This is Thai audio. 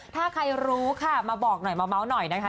ถ้าใครรู้ค่ะมาบอกหน่อยมาเม้าหน่อยนะคะ